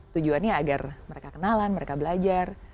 tujuannya agar mereka kenalan mereka belajar